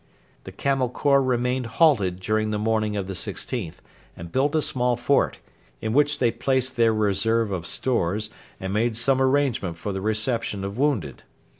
The Camel Corps remained halted during the morning of the 16th, and built a small fort, in which they placed their reserve of stores, and made some arrangement for the reception of wounded.